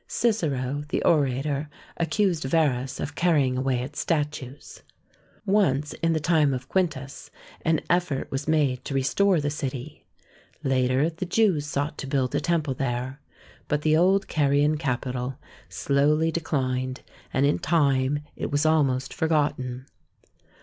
Cicero, the orator, accused Verres of carrying away its statues. Once in the time of Quintus an effort was made to restore the city; later the Jews sought to build a temple there, but the old Carian capital slowly declined, and in time it was almost forgotten.